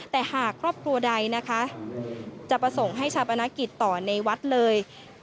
แต่หากครอบครัวใดนะคะจะประสงค์ให้ชาปนกิจต่อในวัดเลย